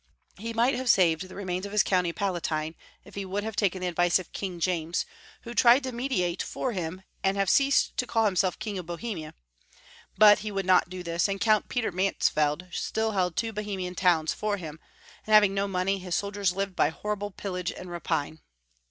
He might have saved the remains of his County Palatine if he would have taken the advice of King James, who tried to me diate for him, and have ceased to call himself King of Bohemia ; but he would not do this, and Count Peter Mansfeld still held two Bohemian towns for him, and having no money, his soldiers lived by horrible pillage and rapine.